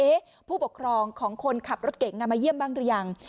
ผู้ปกครองของคนขับรถเก่งมาเยี่ยมบ้างหรือยัง